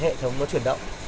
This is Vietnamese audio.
là hệ thống nó chuyển động